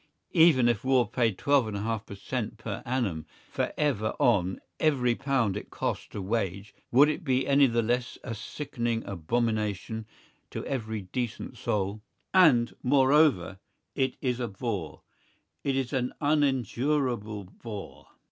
Even if war paid twelve and a half per cent. per annum for ever on every pound it cost to wage, would it be any the less a sickening abomination to every decent soul? And, moreover, it is a bore. It is an unendurable bore.